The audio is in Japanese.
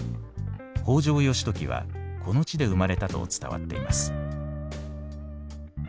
北条義時はこの地で生まれたと伝わっています。